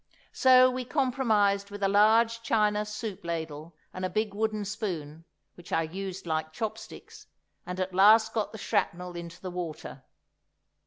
So we compromised with a large china soup ladle and a big wooden spoon, which I used like chop sticks, and at last got the shrapnel into the water.